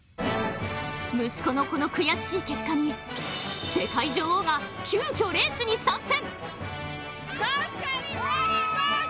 息子のこの悔しい結果に、世界女王が急きょ、レースに参戦！